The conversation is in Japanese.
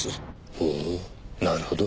ほうなるほど。